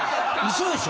嘘でしょ！？